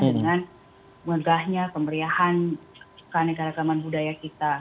dengan mengagahnya pemberiahan keanekaragaman budaya kita